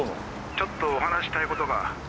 ちょっとお話ししたいことが。